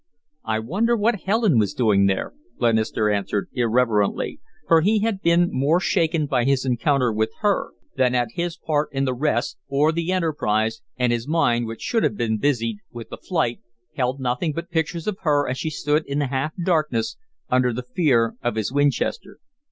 "I wonder what Helen was doing there," Glenister answered, irrelevantly, for he had been more shaken by his encounter with her than at his part in the rest or the enterprise, and his mind, which should have been busied with the flight, held nothing but pictures of her as she stood in the half darkness under the fear of his Winchester.